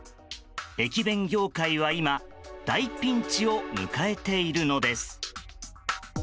駅弁業界は今大ピンチを迎えているのです。